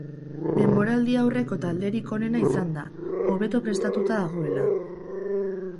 Denboraldi-aurreko talderik onena izan da, hobeto prestatuta dagoela.